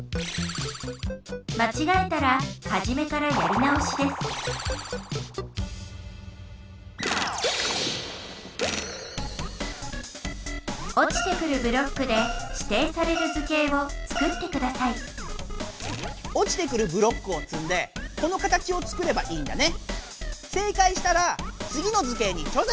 まちがえたらはじめからやり直しですおちてくるブロックでしていされる図形をつくってくださいおちてくるブロックをつんでこの形をつくればいいんだね。